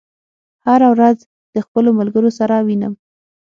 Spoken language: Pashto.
هره ورځ د خپلو ملګرو سره وینم.